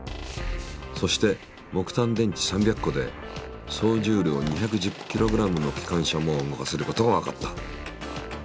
そして木炭電池３００個で総重量２１０ｋｇの機関車も動かせることがわかった。